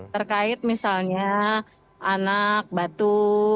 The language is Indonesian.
terkait misalnya anak batu